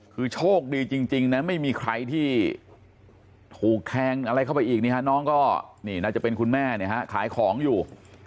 คือโชคดีจริงนะไม่มีใครที่ถูกแทงอะไรเข้าไปอีกน้องก็นี่น่าจะเป็นคุณแม่ขายของอยู่